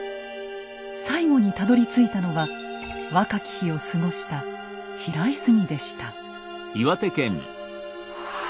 最後にたどりついたのは若き日を過ごした平泉でした。